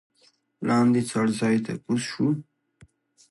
لاندې څړځای ته کوز شوو.